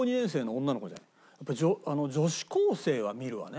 やっぱり女子高生は見るわね。